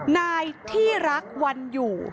นายที่รักวันอยู่